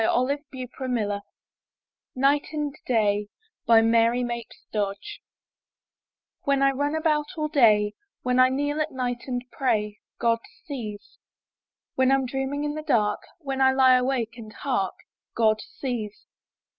Olive Beaupre Miller, 417 MY BOOK HOUSE NIGHT AND DAY* Mary Mapes Dodge When I run about all day, When I kneel at night to pray, God sees. When Tm dreaming in the dark, When I lie awake and hark, God sees.